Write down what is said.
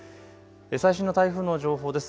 最新の台風の情報です。